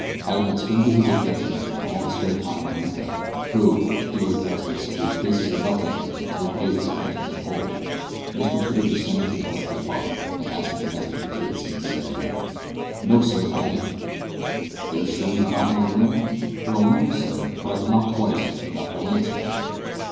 Having expended his affections and all his spare time on Mita, who, to do her justice, made faces enough at him to repay his attentions in full, Mr Twitter descended to the breakfast parlour and asked the domestic if she had seen Sammy yet. "No, sir, I hain't." "Are you sure he's not in his room?" "Well, no, sir, but I knocked twice and got no answer."